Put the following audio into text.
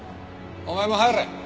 お前も入れ。